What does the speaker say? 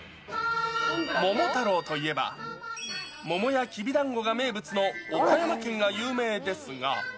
桃太郎といえば、桃やきびだんごが名物の岡山県が有名ですが。